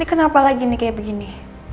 kenapa lagi nih kayak begini